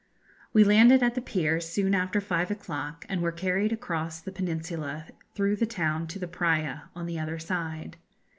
We landed at the pier soon after five o'clock, and were carried across the peninsula through the town to the Praya on the other side.